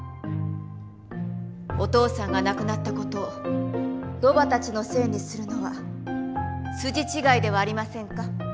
お父さんが亡くなった事をロバたちのせいにするのは筋違いではありませんか？